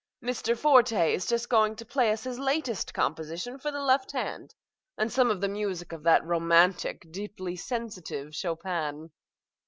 Mr. Forte is just going to play us his latest composition for the left hand, and some of the music of that romantic, deeply sensitive Chopin.